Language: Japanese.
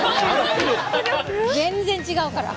全然ちがうから。